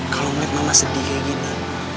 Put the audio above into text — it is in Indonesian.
kalau melihat mama sedih kayak gini